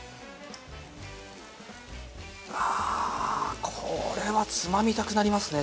あこれはつまみたくなりますね